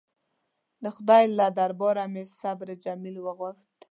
د خدای له درباره مې صبر جمیل وغوښت.